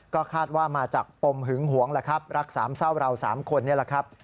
ก็คาดว่ามาจากปมหึงหวงแหละครับรักสามเศร้าเราสามคนนี่แหละครับ